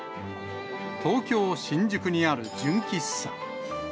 東京・新宿にある純喫茶。